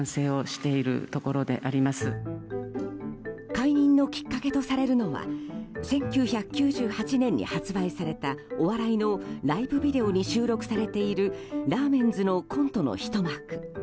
解任のきっかけとされるのは１９９８年に発売されたお笑いのライブビデオに収録されているラーメンズのコントのひと幕。